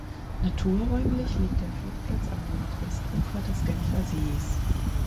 Naturräumlich liegt der Flugplatz am Nordwestufer des Genfersees.